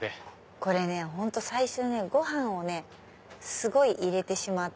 これね最初ご飯をすごい入れてしまって。